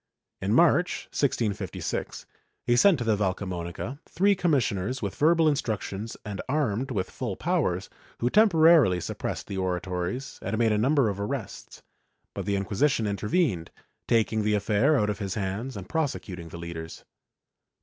In March, 1656, he sent to the Valcamonica three commissioners with verbal instructions and armed with full powers, who temporarily suppressed the oratories and made a number of arrests, but the Inquisition intervened, taking the affair out of his hands and prosecuting the leaders.